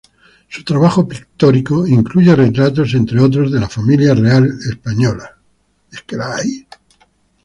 Su trabajo pictórico incluye retratos entre otros de la familia real española.